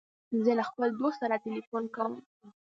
زه له خپل دوست سره تلیفون کوم.